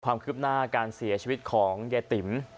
ความคืบหน้าการเสียชีวิตของยายติ๋ม